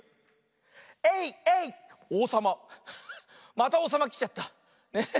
またおうさまきちゃった。